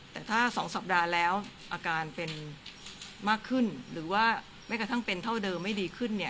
แต่ถ้า๒สัปดาห์แล้วอาการเป็นมากขึ้นหรือว่าแม้กระทั่งเป็นเท่าเดิมไม่ดีขึ้นเนี่ย